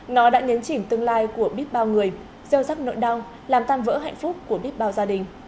nó đã nhấn chỉnh tương lai của biết bao người rêu rắc nội đong làm tan vỡ hạnh phúc của biết bao gia đình